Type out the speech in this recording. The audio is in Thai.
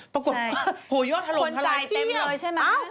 ปรากฏโอ้โฮยอดถล่มเท่าไรพี่คนจ่ายเต็มเลยใช่ไหม